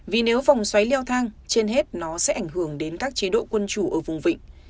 vì nếu vòng xoáy leo thang trên hết nó sẽ ảnh hưởng đến các chế độ quân chủ ở vùng vịnh